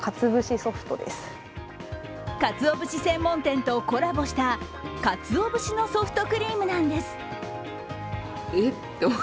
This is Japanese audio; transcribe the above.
かつお節専門店とコラボしたかつお節のソフトクリームなんです。